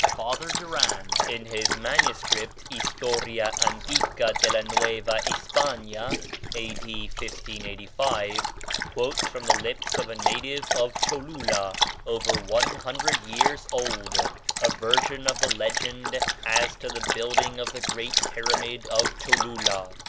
Father Duran, in his MS. "Historia Antiqua de la Nueva Espana," A.D. 1585, quotes from the lips of a native of Cholula, over one hundred years old, a version of the legend as to the building of the great pyramid of Cholula.